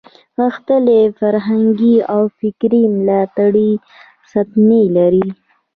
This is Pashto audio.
غښتلې فرهنګي او فکري ملاتړې ستنې لري.